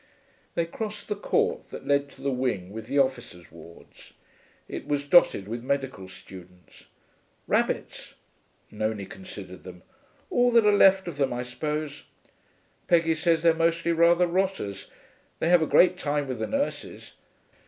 They crossed the court that led to the wing with the officers' wards. It was dotted with medical students. 'Rabbits,' Nonie considered them. 'All that are left of them, I suppose. Peggy says they're mostly rather rotters. They have a great time with the nurses.